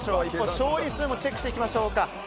一方、勝利数もチェックしていきましょうか。